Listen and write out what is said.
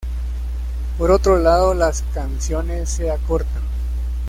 Por otro lado, las canciones se acortan.